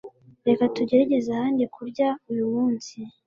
Reka tugerageze ahandi kurya uyu munsi.